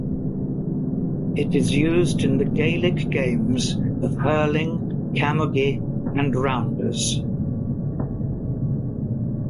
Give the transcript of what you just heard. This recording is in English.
It is used in the Gaelic games of hurling, camogie, and rounders.